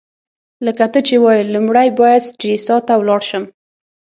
لکه ته چي وايې، لومړی باید سټریسا ته ولاړ شم.